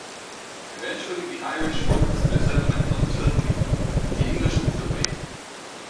Eventually the Irish focused their settlement on Tilting, and the English moved away.